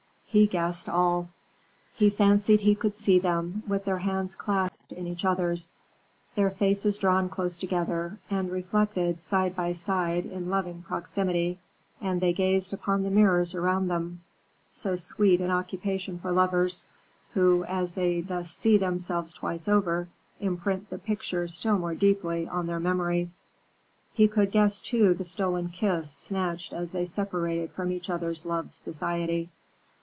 He guessed all; he fancied he could see them, with their hands clasped in each other's, their faces drawn close together, and reflected, side by side, in loving proximity, and they gazed upon the mirrors around them so sweet an occupation for lovers, who, as they thus see themselves twice over, imprint the picture still more deeply on their memories. He could guess, too, the stolen kiss snatched as they separated from each other's loved society.